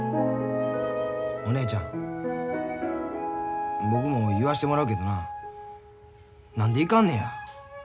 お姉ちゃん僕も言わしてもらうけどな何でいかんねや。